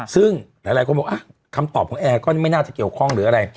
ซึ่งหลายคนบอกคำตอบของแอร์ก็ไม่น่าจะเกี่ยวข้องหรืออะไร